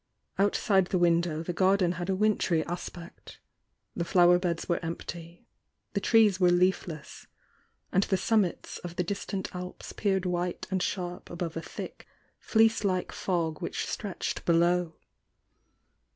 Outside the window the garden had a wintry aspect — the flower beds were empty, — the trees were leafless, and the summits of the distant Alps peered white and sharp above a thick, fleece like fog which stretched below.